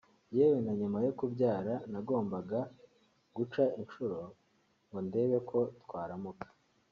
yewe na nyuma yo kubyara nagombaga guca incuro ngo ndebe ko twaramuka